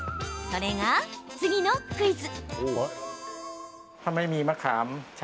それが次のクイズ。